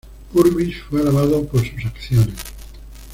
Purvis fue alabado por sus acciones.